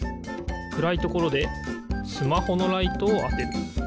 くらいところでスマホのライトをあてる。